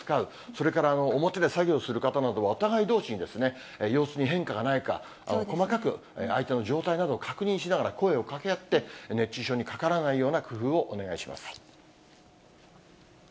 それから表で作業をする方などは、お互いどうし、様子に変化がないか、細かく相手の状態などを確認しながら声をかけ合って、熱中症にかからないような工夫をお願いします。